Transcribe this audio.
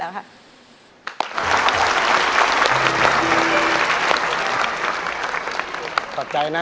หล่นหล่น